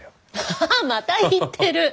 ハハまた言ってる。